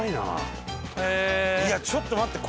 いやちょっと待って。